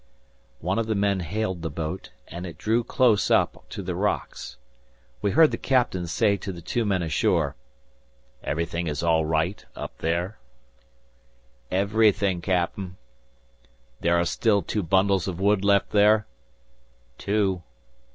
One of the men hailed the boat, and it drew close up to the rocks. We heard the Captain say to the two men ashore, "Everything is all right, up there?" "Everything, Captain." "There are still two bundles of wood left there?" "Two."